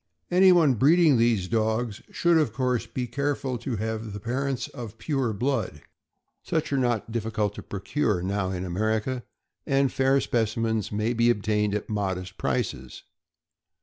Anyone breeding these dogs should of course be careful to have the parents of pure blood. Such are not difficult 406 THE AMERICAN BOOK OF THE DOG. to procure now in America, and fair specimens may be obtained at modest prices.